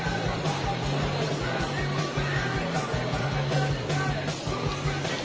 เวลาที่มันได้รู้จักกันแล้วเวลาที่ไม่รู้จักกัน